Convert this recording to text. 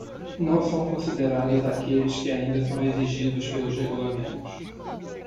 Não são considerados aqueles que ainda são exigidos pelos regulamentos.